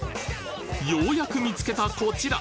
ようやく見つけたこちら！